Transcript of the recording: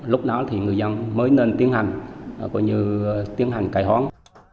lúc đó thì người dân mới nên tiến hành gọi như tiến hành cải hoán